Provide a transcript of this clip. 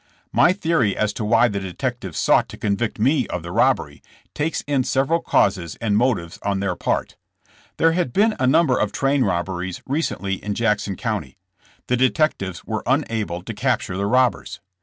My theory as to why the detectives sought to convict me of the robbery, takes in several causes and motives on their part. There had been a num ber of train robberies recently in Jackson County. The detectives were unable to capture the robbers.